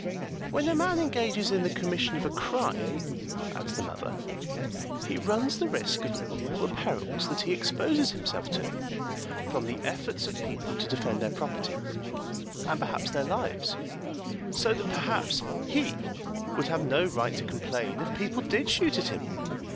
"When a man engages in the commission of a crime," adds the mother, "he runs the risk of all the perils that he exposes himself to, from the efforts of people to defend their property, and perhaps their lives; so that, perhaps, he would have no right to complain if people did shoot at him."